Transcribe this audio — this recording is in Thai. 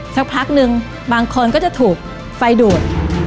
สักพักนึงบางคนก็จะถูกไฟดูด